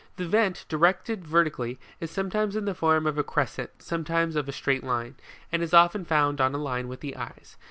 The vent, directed vertically, is sometimes in the form of a crescent, sometimes of a straight line, and is often found on a line with the eyes.